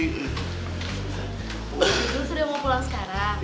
dulu sudah mau pulang sekarang